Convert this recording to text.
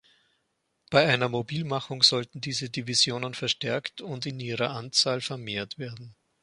Bei einer Mobilmachung sollten diese Divisionen verstärkt und in ihrer Anzahl vermehrt werden.